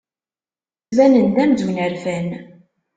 Ttbanen-d amzun rfan.